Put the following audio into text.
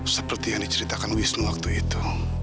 seperti yang diceritakan wisnu waktu itu